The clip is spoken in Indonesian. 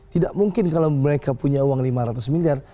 tidak mungkin kalau mereka punya uang lima ratus miliar